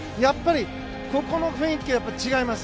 ここは雰囲気が違います。